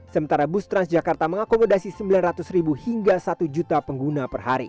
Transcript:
sementara bus transjakarta mengakomodasi sembilan ratus ribu hingga satu juta pengguna per hari